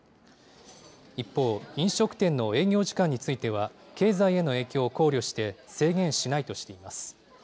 一方、飲食店の営業時間については、経済への影響を考慮して、制限しないとしています。